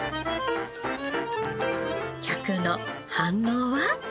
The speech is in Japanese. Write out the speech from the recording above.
客の反応は？